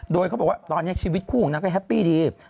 โดยเขาบอกว่าตอนนี้ชีวิตคู่ของนางก็แฮปปี้ดี